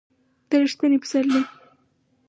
د ر یښتني پسرلي